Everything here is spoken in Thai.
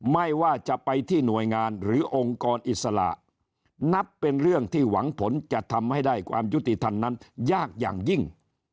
ไม่ว่าจะไปที่หน่วยงานหรือองค์กรอิสระนับเป็นเรื่องที่หวังผลจะทำให้ได้ความยุติธรรมนั้นยากอย่างยิ่ง